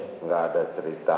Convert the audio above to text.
tidak ada cerita